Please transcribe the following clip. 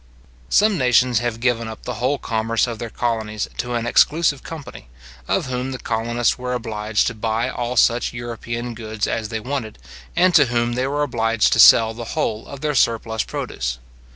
Some nations have given up the whole commerce of their colonies to an exclusive company, of whom the colonists were obliged to buy all such European goods as they wanted, and to whom they were obliged to sell the whole of their surplus produce.